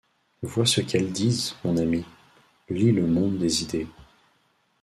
Vois ce qu’elles disent, mon ami : lis le monde des idées.